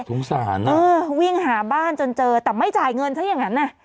สงสารวิ่งหาบ้านจนเจอแต่ไม่จ่ายเงินซะอย่างนั้นน่ะ